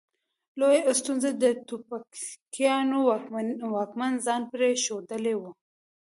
لویه ستونزه د ټوپکیانو واکمني ځان پرې ښودل وه.